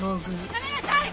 やめなさい！